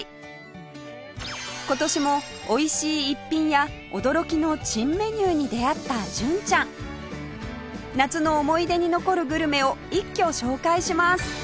今年もおいしい逸品や驚きの珍メニューに出会った純ちゃん夏の思い出に残るグルメを一挙紹介します